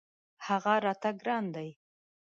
هغه راته ګران دی.